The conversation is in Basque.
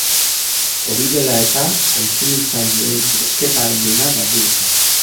Hori dela eta, kontsumitzaileen erosketa-ahalmena galdu dute.